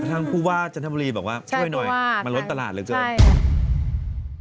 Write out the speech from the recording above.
กระทั่งผู้ว่าจันทร์บุรีบอกว่าช่วยน้อยมันล้มตลาดเลยเกิน